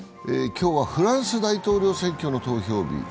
今日はフランス大統領選挙の投票日。